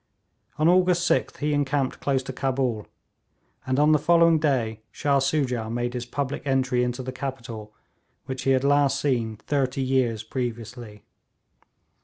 On August 6th he encamped close to Cabul; and on the following day Shah Soojah made his public entry into the capital which he had last seen thirty years previously.